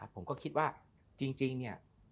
ผมก็คิดว่าจริงเนี่ย